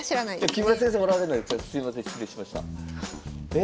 すいません失礼しました。え？